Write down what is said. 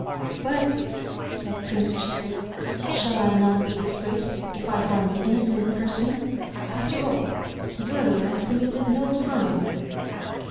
"But," said Prince Cherry, "shall I not be disgraced if I harm an innocent person? After all, Zelia has committed no crime."